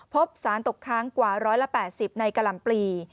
พบสารตกค้างกว่า๑๘๐ในกรรมปรี